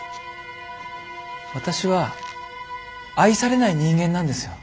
私は愛されない人間なんですよ。